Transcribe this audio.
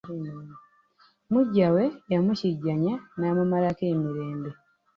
Muggya we yamukijjanya n'amumalako emirembe.